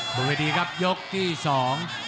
ดูดีครับยกที่สอง